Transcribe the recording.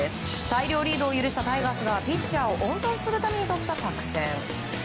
大量リードを許したタイガースがピッチャーを温存するためにとった作戦。